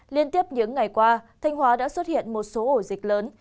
liên tiếp những ngày qua thanh hóa đã xuất hiện một số ổ dịch lớn